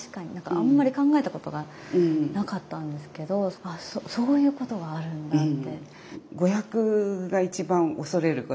あんまり考えたことがなかったんですけど「あっそういうことがあるんだ」って。